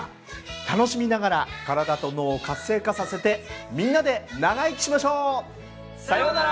楽しみながら体と脳を活性化させてみんなで長生きしましょう！さよなら！